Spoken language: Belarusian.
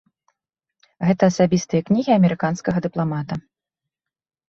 Гэта асабістыя кнігі амерыканскага дыпламата.